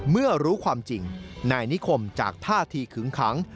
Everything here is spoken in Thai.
เมื่อรู้ความจริงนายนิคมจากท่าทีขึงขัง